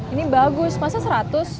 ini bagus masa seratus